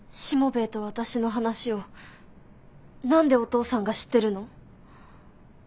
しもべえと私の話を何でお父さんが知ってるの？